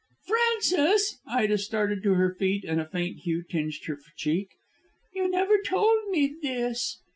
"Frances!" Ida started to her feet, and a faint hue tinged her cheek. "You never told me of this."